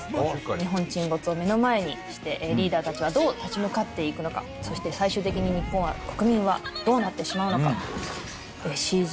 日本沈没を目の前にしてリーダー達はどう立ち向かっていくのかそして最終的に日本は国民はどうなってしまうのかＣＧ